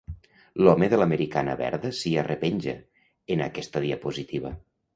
L'home de l'americana verda s'hi arrepenja, en aquesta diapositiva.